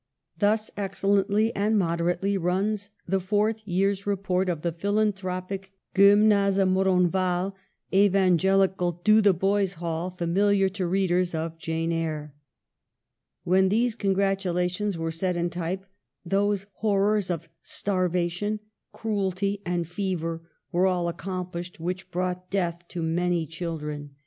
Thus excellently and moderately runs the fourth year's report of the philanthropic Gym nase Moronval, evangelical Dotheboys Hall, fa miliar to readers of 'Jane Eyre.' When these congratulations were set in type, those horrors of starvation, cruelty, and fever were all accom plished which brought death to many children, 42 EMILY BROiVTE.